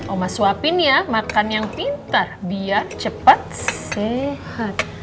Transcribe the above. oma suapin ya makan yang pintar biar cepat sehat